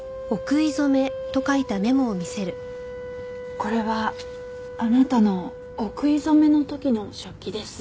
これはあなたのお食い初めの時の食器です。